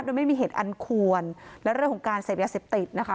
โดยไม่มีเหตุอันควรและเรื่องของการเสพยาเสพติดนะคะ